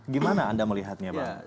gimana anda melihatnya bang heri